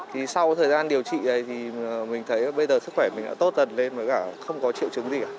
thì sau thời gian điều trị này thì mình thấy bây giờ sức khỏe mình đã tốt tần lên với cả không có triệu chứng gì